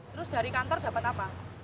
terus dari kantor dapat apa